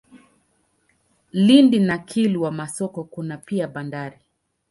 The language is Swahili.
Lindi na Kilwa Masoko kuna pia bandari.